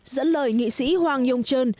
dẫn lời nghị sĩ hoàng nhung trơn